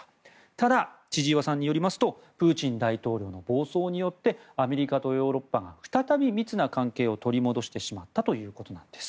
ただ、千々岩さんによりますとプーチン大統領の暴走によってアメリカとヨーロッパが再び密な関係を取り戻してしまったということなんです。